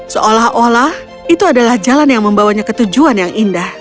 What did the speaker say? seolah olah itu adalah jalan yang membawanya ke tujuan yang indah